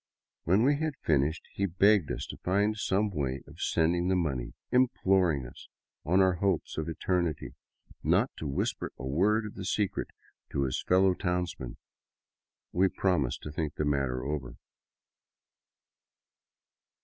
When we had finished, he begged us to find some way of sending the money, imploring us, on our hopes of eternity, not to whisper a word of the secret to his fellow townsmen. We promised to think the matter over.